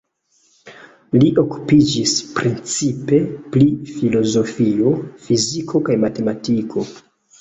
Li okupiĝis precipe pri filozofio, fiziko kaj matematiko.